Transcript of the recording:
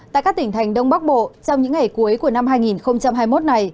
tại các tỉnh thành đông bắc bộ trong những ngày cuối của năm hai nghìn hai mươi một này